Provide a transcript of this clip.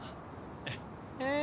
ええ。